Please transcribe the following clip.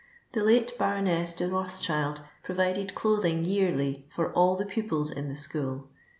The hite Ba roness dc Rothschild provided clothing, yearly, for all the pupils in the school.